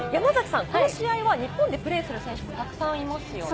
山崎さん、この試合、日本でプレーする選手もたくさんいますね。